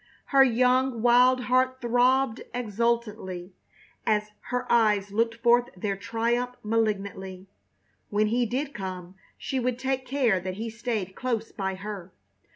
Her young, wild heart throbbed exultantly, and her eyes looked forth their triumph malignantly. When he did come she would take care that he stayed close by her.